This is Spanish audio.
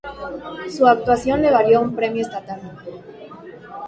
Su actuación le valió un premio estatal.